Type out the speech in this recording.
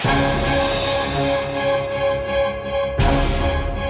kalau tidak ingin resiko itu kamu tanggung sendiri